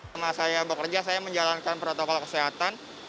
sama saya bekerja saya menjalankan protokol kesehatan